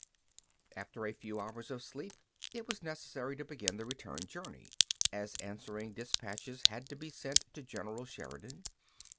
After a few hours' sleep it was necessary to begin the return journey, as answering dispatches had to be sent to General Sheridan.